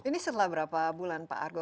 ini setelah berapa bulan pak argo